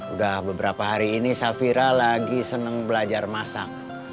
udah beberapa hari ini safira lagi senang belajar masak